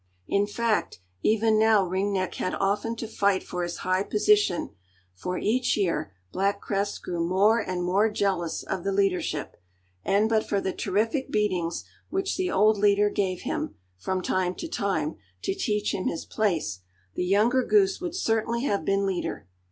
In fact, even now Ring Neck had often to fight for his high position, for each year Black Crest grew more and more jealous of the leadership, and but for the terrific beatings which the old leader gave him, from time to time, to teach him his place, the younger goose would certainly have been leader.